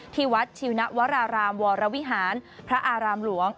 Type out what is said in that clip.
ที่วัดชินวรารามวรวิหารพระอารามหลวง